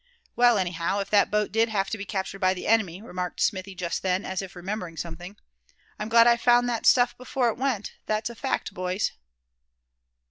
"Well, anyhow, if that boat did have to be captured by the enemy," remarked Smithy, just then, as if remembering something; "I'm glad I found that stuff before it went, that's a fact, boys."